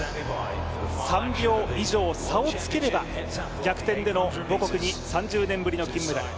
３秒以上差をつければ、逆転での母国に３０年ぶりの金メダル。